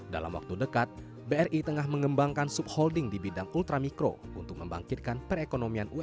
dalam waktu dekat bri tengah mengembangkan subholding di bidang ultramikro untuk membangkitkan perekonomian umkm